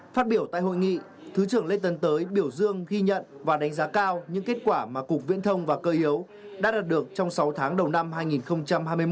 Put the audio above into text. phát biểu tại hội nghị thứ trưởng lê tấn tới biểu dương ghi nhận và đánh giá cao những kết quả mà cục viễn thông và cơ yếu đã đạt được trong sáu tháng đầu năm hai nghìn hai mươi một